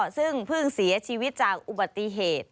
ซึ่งเพิ่งเสียชีวิตจากอุบัติเหตุ